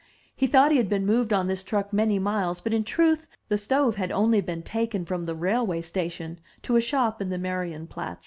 He thought he had been moved on this truck many miles, but in truth the stove had been only taken from the railway station to a shop in the Marienplatz.